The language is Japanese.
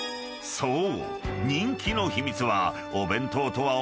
［そう］